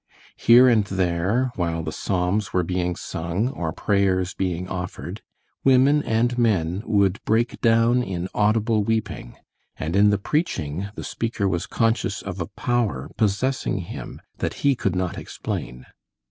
Here and there, while the psalms were being sung or prayers being offered, women and men would break down in audible weeping; and in the preaching the speaker was conscious of a power possessing him that he could not explain.